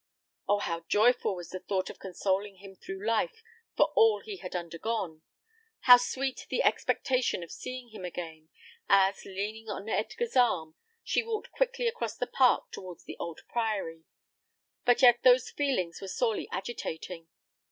Oh! how joyful was the thought of consoling him through life for all he had undergone! how sweet the expectation of seeing him again, as, leaning on Edgar's arm, she walked quickly across the park towards the old priory; but yet those feelings were sorely agitating.